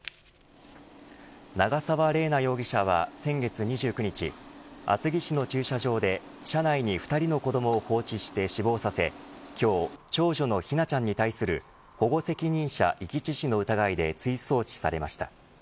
長沢麗奈容疑者は先月２９日厚木市の駐車場で車内に２人の子どもを放置して死亡させ今日長女の姫梛ちゃんに対する保護責任者遺棄致死の疑いで追送致されました。